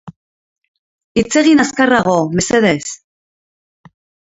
Hitz egin azkarrago, mesedez.